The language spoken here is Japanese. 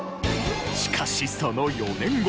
しかしその４年後。